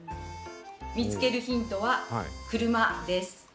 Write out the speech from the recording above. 見つけるヒントは車です。